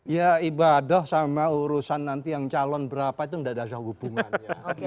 ya ibadah sama urusan nanti yang calon berapa itu tidak ada hubungannya